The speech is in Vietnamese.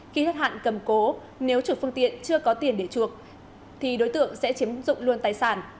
khi hết hạn cầm cố nếu chủ phương tiện chưa có tiền để chuộc thì đối tượng sẽ chiếm dụng luôn tài sản